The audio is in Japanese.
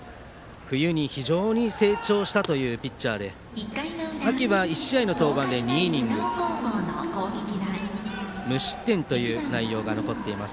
冬に非常に成長したというピッチャーで秋は１試合の登板で２イニング無失点という内容が残っています。